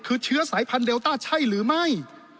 คือเชื้อสายพันธุเดลต้าใช่หรือไม่